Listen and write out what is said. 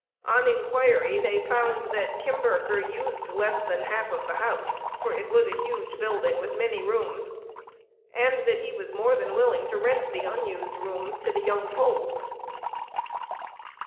On inquiry, they found that Kimberker used less than half of the house, for it was a huge building with many rooms, and that he was more than willing to rent the unused rooms to the young Poles.